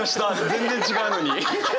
全然違うのに。